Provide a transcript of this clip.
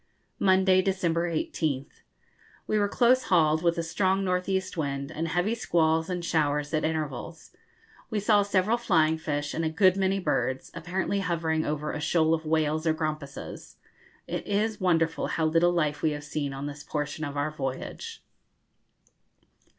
Monday, December 18th. We were close hauled, with a strong north east wind, and heavy squalls and showers at intervals. We saw several flying fish and a good many birds, apparently hovering over a shoal of whales or grampuses. It is wonderful how little life we have seen on this portion of our voyage.